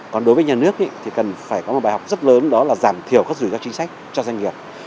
còn đối với nhà nước thì cần phải có một bài học rất lớn đó là giảm thiểu các rủi ro chính sách cho doanh nghiệp